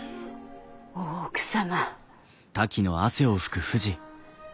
大奥様。